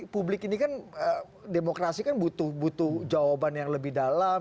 publik ini kan demokrasi kan butuh jawaban yang lebih dalam